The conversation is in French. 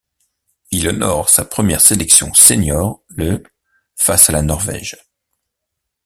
Il honore sa première sélection senior le face à la Norvège.